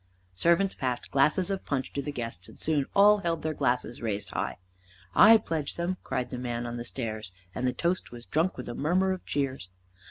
Servants passed glasses of punch to the guests and soon all held their glasses raised high. "I pledge them," cried the man on the stairs, and the toast was drunk with a murmur of cheers.